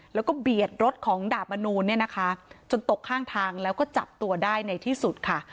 แล้วก็เบียดรถของดาบมนูลเนี่ยนะคะจนตกข้างทางแล้วก็จับตัวได้ในที่สุดค่ะ